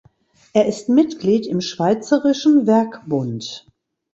Er ist Mitglied im Schweizerischen Werkbund.